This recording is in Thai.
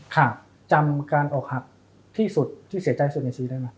จำการออกหักที่สุดที่เสียใจสุดในชีวิตได้ไหม